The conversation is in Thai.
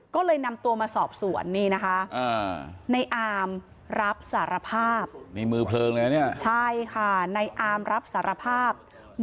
ก็เลยนำตัวมาสอบสวนนี่นะคะในอามรับสารภาพ